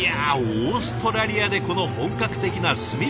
オーストラリアでこの本格的な炭火焼。